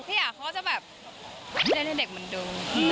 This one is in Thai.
พี่หยาคอยจะแบบเล่นเล่นเด็กเหมือนดู